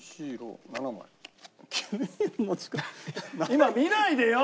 今見ないでよ！